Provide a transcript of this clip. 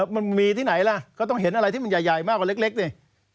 มันมีที่ไหนล่ะก็ต้องเห็นอะไรที่มันใหญ่มากกว่าเล็กดิ